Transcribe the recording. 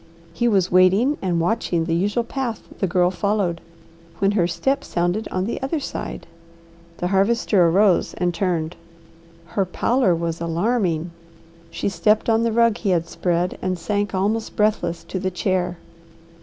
He was waiting and watching the usual path the Girl followed, when her step sounded on the other side. The Harvester arose and turned. Her pallor was alarming. She stepped on the rug he had spread, and sank almost breathless to the chair.